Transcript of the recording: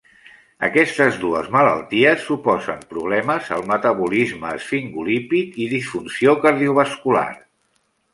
Aquestes dues malalties suposen problemes al metabolisme esfingolípid i disfunció cardiovascular.